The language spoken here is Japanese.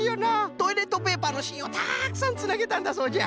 トイレットペーパーのしんをたくさんつなげたんだそうじゃ。